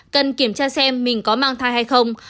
cần kiểm tra xem mình có mang thai hay không